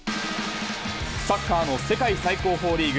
サッカーの世界最高峰リーグ、